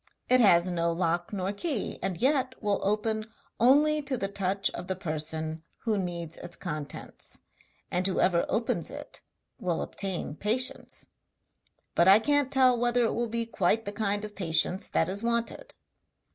It has no lock nor key, and yet will open only to the touch of the person who needs its contents and whoever opens it will obtain patience; but I can't tell whether it will be quite the kind of patience that is wanted.'